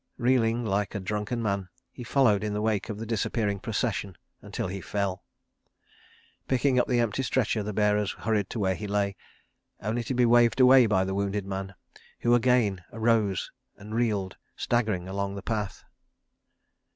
Reeling like a drunken man, he followed in the wake of the disappearing procession, until he fell. Picking up the empty stretcher, the bearers hurried to where he lay—only to be waved away by the wounded man, who again arose and reeled, staggering, along the path.